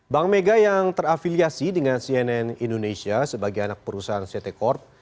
bank mega yang terafiliasi dengan cnn indonesia sebagai anak perusahaan ct corp